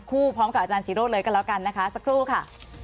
พร้อมกับอาจารย์ศิโรธเลยก็แล้วกันนะคะสักครู่ค่ะ